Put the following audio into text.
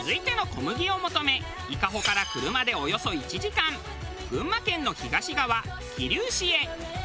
続いての小麦を求め伊香保から車でおよそ１時間群馬県の東側桐生市へ。